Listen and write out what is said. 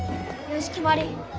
よしきまり！